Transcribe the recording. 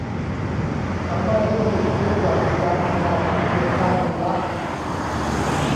สามารถใช้สิทธิ์ลดหย่อนบิดามารดาของตัวเองได้คนละ